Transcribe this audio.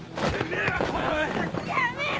やめろ！